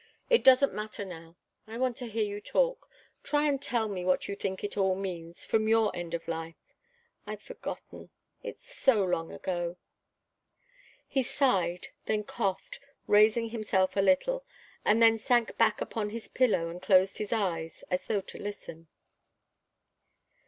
It doesn't matter now. I want to hear you talk. Try and tell me what you think it all means, from your end of life. I've forgotten it's so long ago." He sighed, then coughed, raising himself a little, and then sank back upon his pillow and closed his eyes, as though to listen.